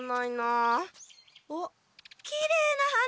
あっきれいな花！